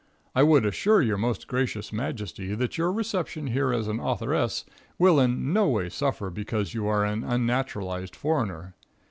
I would assure your most gracious majesty that your reception here as an authoress will in no way suffer because you are an unnaturalized foreigner.